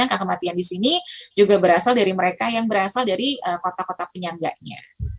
angka kematian di sini juga berasal dari mereka yang berasal dari kota kota penyangganya